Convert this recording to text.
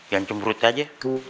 jangan cemrut aja